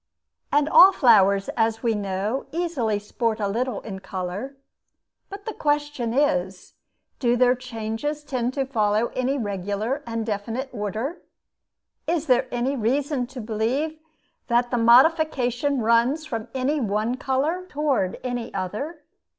And all flowers, as we know, easily sport a little in color. But the question is, Do their changes tend to follow any regular and definite order? Is there any reason to believe that the modification runs from any one color toward any other?